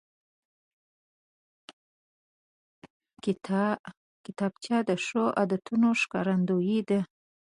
کتابچه د ښو عادتونو ښکارندوی ده